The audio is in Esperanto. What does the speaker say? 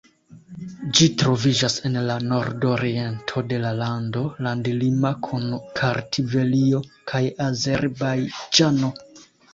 Ĝi troviĝas en la nordoriento de la lando, landlima kun Kartvelio kaj Azerbajĝano.